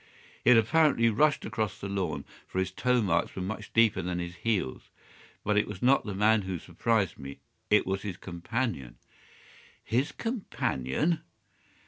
He had apparently rushed across the lawn, for his toe marks were much deeper than his heels. But it was not the man who surprised me. It was his companion." "His companion!"